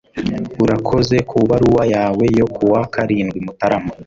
urakoze kubaruwa yawe yo kuwa karindwi mutarama